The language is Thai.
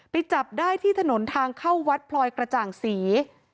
จับได้ที่ถนนทางเข้าวัดพลอยกระจ่างศรี